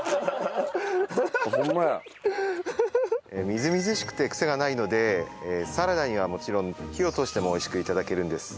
みずみずしくてクセがないのでサラダにはもちろん火を通しても美味しく頂けるんです。